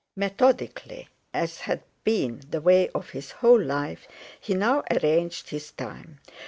Methodically, as had been the way of his whole life, he now arranged his time.